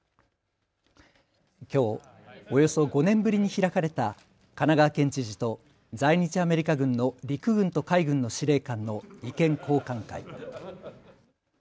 きょう、およそ５年ぶりに開かれた神奈川県知事と在日アメリカ軍の陸軍と海軍の司令官の意見交換会。